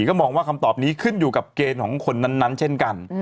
ก็มองว่าคำตอบนี้ขึ้นอยู่กับเกณฑ์ของคนนั้นเช่นกัน